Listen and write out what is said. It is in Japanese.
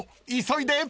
急いで！］